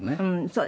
そう。